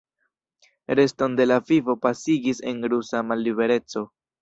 Reston de la vivo pasigis en rusa mallibereco.